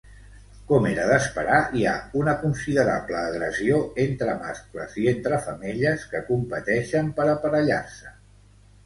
Com era d'esperar, hi ha una considerable agressió entre mascles i entre femelles, que competeixen per aparellar-se.